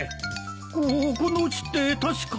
ここのうちって確か。